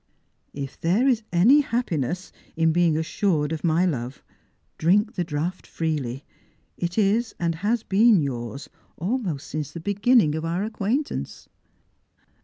" If there is any happiness in being assured of my love, drink the draught freely. It is, and has been yours almost since the beginning of our acquaintance."